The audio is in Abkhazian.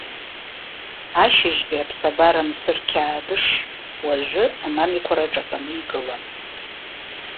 Ашьыжьтәи аԥсабара мсырқьаадш, уажәы, амамиқәара аҿатәаны игылан.